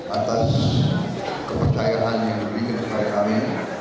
atas kepercayaan yang lebih besar dari kami